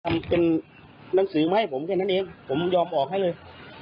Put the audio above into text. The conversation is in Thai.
ทำเป็นหนังสือมาให้ผมแค่นั้นเองผมยอมออกให้เลย